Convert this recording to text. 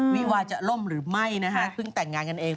วิวาจะล่มหรือไม่นะฮะเพิ่งแต่งงานกันเอง